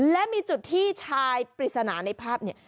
และมีจุดที่ชายปริศนาในภาพเนี่ย